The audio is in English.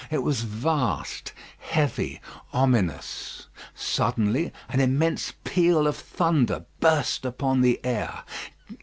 It was vast, heavy, ominous. Suddenly an immense peal of thunder burst upon the air.